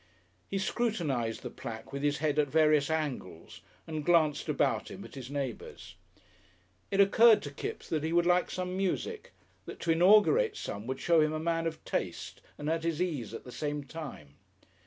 He scrutinised the plaque with his head at various angles and glanced about him at his neighbours. It occurred to Kipps that he would like some music, that to inaugurate some would show him a man of taste and at his ease at the same time.